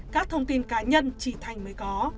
các thông tin cá nhân chỉ thanh mới có